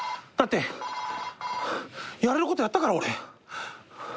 だってやれることやったから俺。